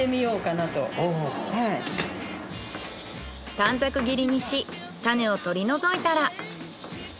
短冊切りにし種を取り除いたら。